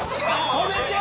止めて！